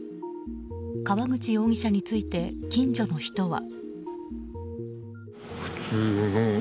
川口容疑者について近所の人は。